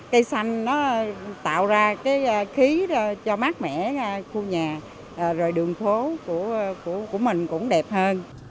cây xanh nó tạo ra cái khí cho mát mẻ khu nhà rồi đường phố của mình cũng đẹp hơn